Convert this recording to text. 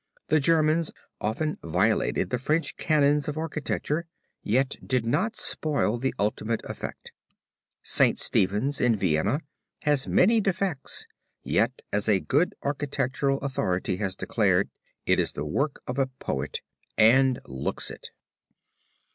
The Germans often violated the French canons of architecture, yet did not spoil the ultimate effect. St. Stephen's in Vienna has many defects, yet as a good architectural authority has declared it is the work of a poet, and looks it.